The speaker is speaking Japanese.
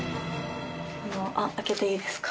開けていいですか？